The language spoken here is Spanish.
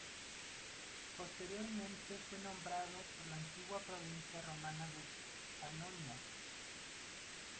Posteriormente fue nombrado por la antigua provincia romana de Panonia.